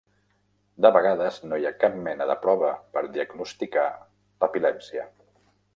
De vegades no hi ha cap mena de prova per diagnosticar l'epilèpsia.